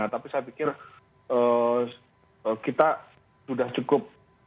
tapi saya pikir kita sudah cukup